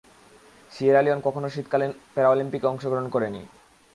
Sierra Leone কখনো শীতকালীন প্যারালিম্পিকে অংশগ্রহণ করেনি।